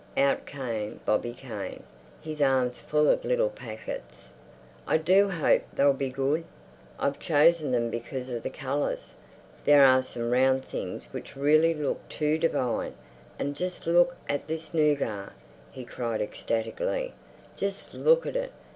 Out came Bobby Kane, his arms full of little packets. "I do hope they'll be good. I've chosen them because of the colours. There are some round things which really look too divine. And just look at this nougat," he cried ecstatically, "just look at it!